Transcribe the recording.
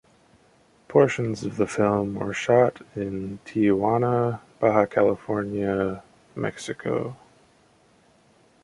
Portions of the film were shot in Tijuana, Baja California, Mexico.